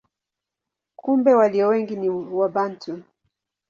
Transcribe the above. Kumbe walio wengi ni Wabantu.